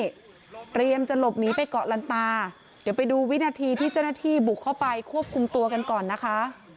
เตรียมจะหลบหนีไปเกาะลันตาเดี๋ยวไปดูวินาทีที่เจ้าหน้าที่บุกเข้าไปควบคุมตัวกันก่อนนะคะ